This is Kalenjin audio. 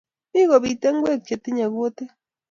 Mi kopitei ngek che tinyei kutik